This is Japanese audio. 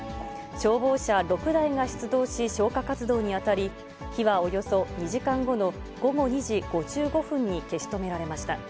消防車６台が出動し、消火活動に当たり、火はおよそ２時間後の午後２時５５分に消し止められました。